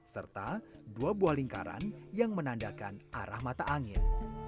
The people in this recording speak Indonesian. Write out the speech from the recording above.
serta dua buah lingkaran yang menandakan arah mata angin